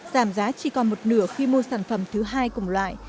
giảm giá chỉ còn một nửa khi mua sản phẩm thứ hai cùng loại